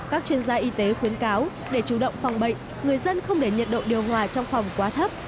các chuyên gia y tế khuyến cáo để chủ động phòng bệnh người dân không để nhiệt độ điều hòa trong phòng quá thấp